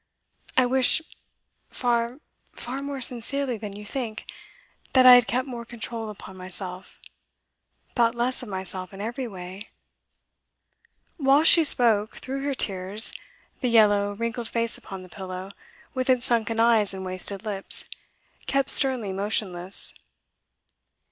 I wish far, far more sincerely than you think that I had kept more control upon myself thought less of myself in every way ' Whilst she spoke through her tears, the yellow, wrinkled face upon the pillow, with its sunken eyes and wasted lips, kept sternly motionless.